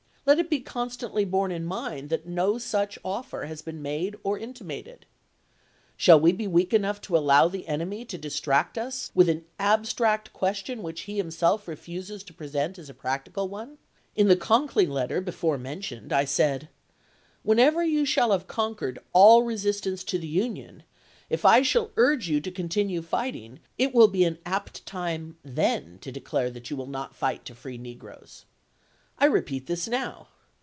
Let it be constantly borne in mind that no such offer has been made or intimated. Shall we be weak enough to allow the enemy to distract us with an abstract question which he himself refuses to present as a practical one ? In the Conkling letter before mentioned, I said: ' Whenever you shall have conquered all resistance to the Union, if I shall urge you to continue fighting, it will be an apt time then to declare that you will not fight to free negroes.' I repeat this now.